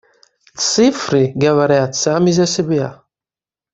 Цифры говорят сами за себя.